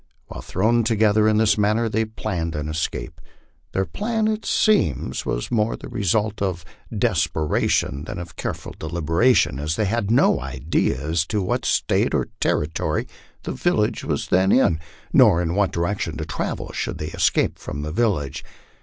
While thrown together in this manner, they planned an escape. Their plan, it seems, was more the result of desperation than of careful deliberation, as they had no idea as to what state or territory the village was then in, nor in what direction to travel should they escape from the village.